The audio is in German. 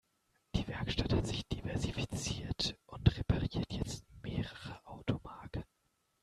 Die Werkstatt hat sich diversifiziert und repariert jetzt mehrere Automarken.